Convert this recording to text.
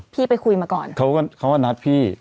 ไปคุยมาก่อนเขาก็นัดพี่